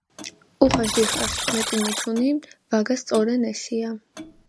უხას დიხაშ მეტი მუთუნი ვაგასწორენსია."